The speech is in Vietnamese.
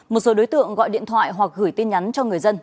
một số đối tượng gọi điện thoại hoặc gửi tin nhắn cho người dân